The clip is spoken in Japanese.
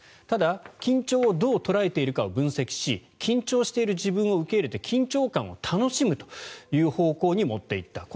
ただ、緊張をどう捉えているかを分析し緊張している自分を受け入れて緊張感を楽しむという方向に持って行った。